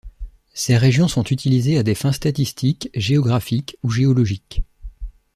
Ces régions sont utilisés à des fins statistiques, géographiques ou géologiques.